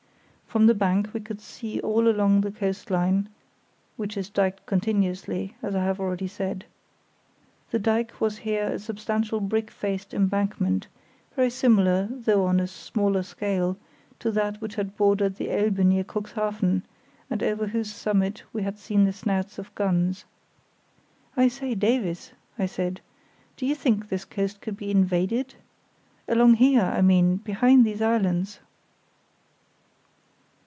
From the bank we could see all along the coast line, which is dyked continuously, as I have already said. The dyke was here a substantial brick faced embankment, very similar, though on a smaller scale, to that which had bordered the Elbe near Cuxhaven, and over whose summit we had seen the snouts of guns. "I say, Davies," I said, "do you think this coast could be invaded? Along here, I mean, behind these islands?"